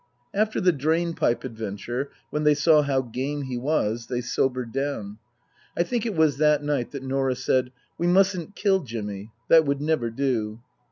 After the drainpipe adventure (when they saw how game he was) they sobered down. I think it was that night that Norah said, " We mustn't kill Jimmy. That would never do."